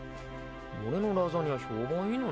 俺のラザニア評判いいのに。